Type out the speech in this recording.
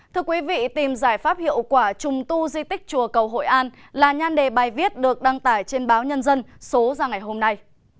thưa quý vị tìm giải pháp hiệu quả trùng tu di tích chùa cầu hội an là nhan đề bài viết được đăng tải trên báo nhân dân số ra ngày hôm nay